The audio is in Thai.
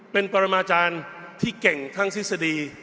เป็นปรมาจารย์ที่เก่งทั้งทฤษฎี